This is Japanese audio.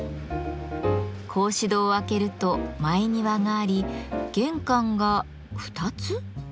格子戸を開けると「前庭」があり玄関が２つ？